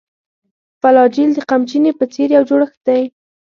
فلاجیل د قمچینې په څېر یو جوړښت دی.